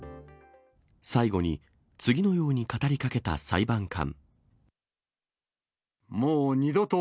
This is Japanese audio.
最後に、次のように語りかけた裁判官。